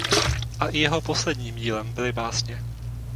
A i jeho posledním dílem byly básně.